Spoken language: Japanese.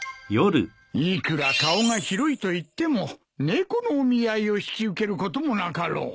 いくら顔が広いといっても猫のお見合いを引き受けることもなかろう。